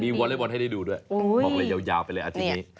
มีวันให้ดูด้วยบอกเลยยาวไปเลยอาทิตย์นี้